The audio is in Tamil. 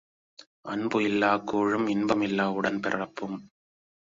அன்பு இல்லாக் கூழும் இன்பம் இல்லா உடன்பிறப்பும்.